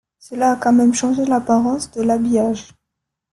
Cela a quand même changé l'apparence de l'habillage.